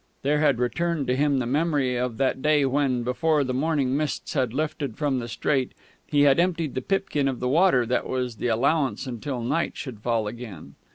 There had returned to him the memory of that day when, before the morning mists had lifted from the strait, he had emptied the pipkin of the water that was the allowance until night should fall again.